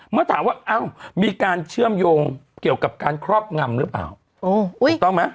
เมื่อถามว่าอ้าวมีการเชื่อมโยงเกี่ยวกับการครอบงำหรือเปล่าต้องไหม